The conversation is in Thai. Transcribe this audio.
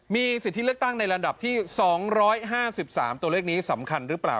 มีสิทธิเลือกตั้งในลำดับที่๒๕๓ตัวเลขนี้สำคัญหรือเปล่า